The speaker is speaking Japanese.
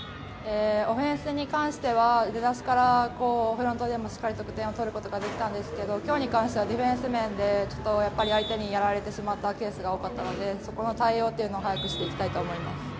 オフェンスに関しては出だしからフロントでもしっかり得点を取ることができたんですけど今日に関してはディフェンス面でやっぱり相手にやられてしまったケースが多かったので、そこの対応っていうのを早くしていきたいと思います。